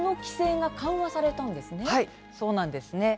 はい、そうなんですね。